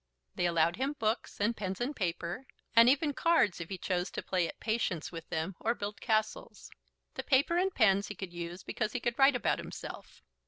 They allowed him books and pens and paper, and even cards, if he chose to play at Patience with them or build castles. The paper and pens he could use because he could write about himself.